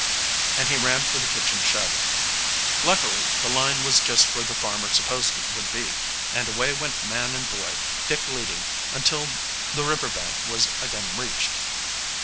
and he ran for the kitchen shed. Luckily the line was just where the farmer supposed it would be, and away went man and boy, Dick leading, until the river bank was again reached.